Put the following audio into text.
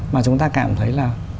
mà chúng ta cảm thấy là